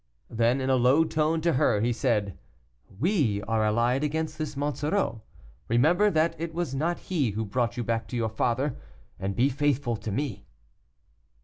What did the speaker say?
Then, in a low tone to her, he said, "We are allied against this Monsoreau; remember that it was not he who brought you back to your father, and be faithful to me."